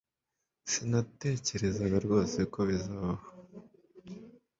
Sinatekerezaga rwose ko bizabaho